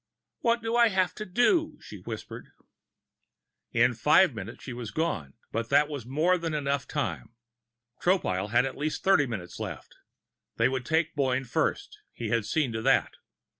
"What do I have to do?" she whispered. In five minutes, she was gone, but that was more than enough time. Tropile had at least thirty minutes left. They would take Boyne first; he had seen to that.